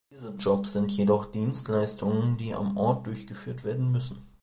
Diese Jobs sind jedoch Dienstleistungen, die am Ort durchgeführt werden müssen.